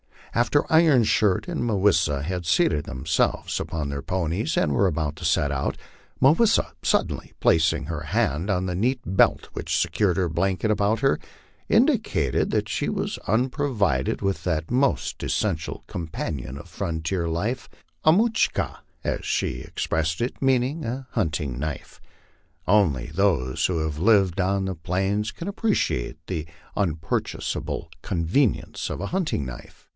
After Iron Shirt and Mah wis sa had seatod themselves upon their ponies and were about to set out, Mah wis sa, suddenly placing her hand on the neat belt which secured her blanket about her, indicated that she was unprovided with that most essential companion of frontier life, a mutcli ka, as she ex pressed it, meaning a hunting knife. Only those who have lived on the plains can appreciate the unpurchasable convenience of a hunting knife.